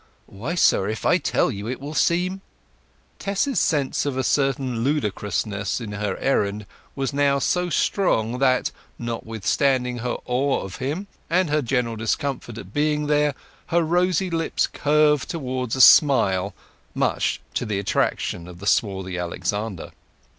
Why, sir, if I tell you, it will seem—" Tess's sense of a certain ludicrousness in her errand was now so strong that, notwithstanding her awe of him, and her general discomfort at being here, her rosy lips curved towards a smile, much to the attraction of the swarthy Alexander.